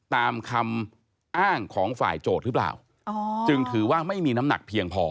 ตามคำอ้างของฝ่ายโจทย์หรือเปล่าจึงถือว่าไม่มีน้ำหนักเพียงพอ